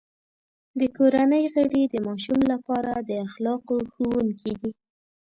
د کورنۍ غړي د ماشوم لپاره د اخلاقو ښوونکي دي.